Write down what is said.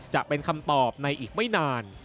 จะเป็นคำตอบในอีกไม่นาน